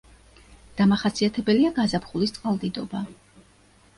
დამახასიათებელია გაზაფხულის წყალდიდობა.